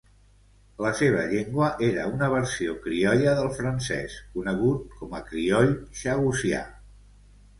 La seva llengua era una versió criolla del francès, conegut com a crioll txagosià.